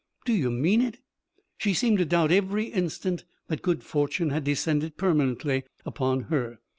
"Do you mean it?" She seemed to doubt every instant that good fortune had descended permanently upon her.